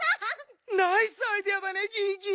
ナイスアイデアだねギギ！